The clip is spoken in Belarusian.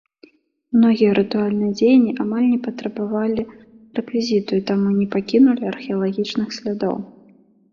Многія рытуальныя дзеянні амаль не патрабавалі рэквізіту і таму не пакінулі археалагічных слядоў.